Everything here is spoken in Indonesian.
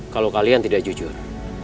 kalau kalian tidak jujur